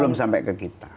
belum sampai ke kita